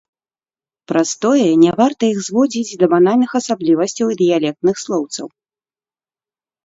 Праз тое не варта іх зводзіць да банальных асаблівасцяў і дыялектных слоўцаў.